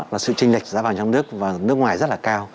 là sự trinh lệch giá vàng trong nước và nước ngoài rất là cao